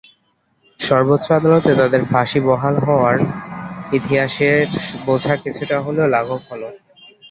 সর্বোচ্চ আদালতে তাঁদের ফাঁসি বহাল হওয়ায় ইতিহাসের বোঝা কিছুটা হলেও লাঘব হলো।